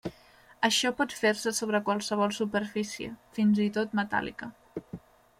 Això pot fer-se sobre qualsevol superfície, fins i tot metàl·lica.